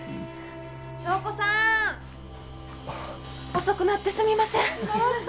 ・祥子さん！遅くなってすみません。